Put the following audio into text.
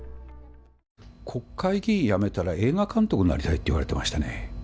国会議員辞めたら、映画監督になりたいって言われてましたね。